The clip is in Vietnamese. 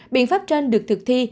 biện pháp trên được thực thi